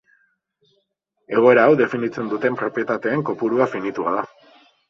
Egoera hau definitzen duten propietateen kopurua finitua da.